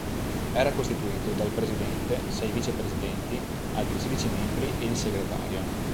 Era costituito dal "presidente", sei "vicepresidenti", altri sedici membri e il "segretario".